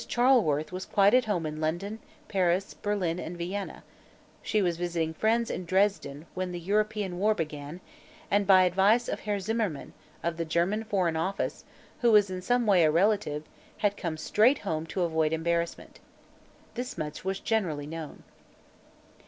Charleworth was quite at home in London, Paris, Berlin and Vienna; she was visiting friends in Dresden when the European war began, and by advice of Herr Zimmerman, of the German Foreign Office, who was in some way a relative, had come straight home to avoid embarrassment. This much was generally known.